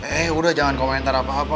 eh udah jangan komentar apa apa